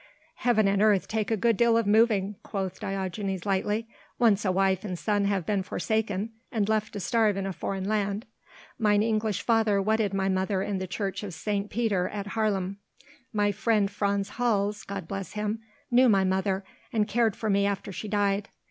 "Heaven and earth take a good deal of moving," quoth Diogenes lightly, "once a wife and son have been forsaken and left to starve in a foreign land. Mine English father wedded my mother in the church of St. Pieter at Haarlem. My friend Frans Hals God bless him knew my mother and cared for me after she died.